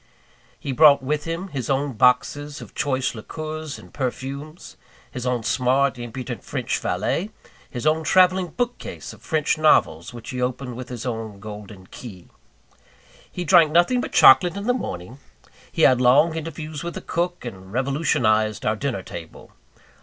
He brought with him his own boxes of choice liqueurs and perfumes; his own smart, impudent, French valet; his own travelling bookcase of French novels, which he opened with his own golden key. He drank nothing but chocolate in the morning; he had long interviews with the cook, and revolutionized our dinner table.